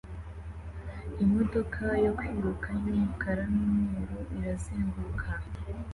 Imodoka yo kwiruka yumukara numweru irazenguruka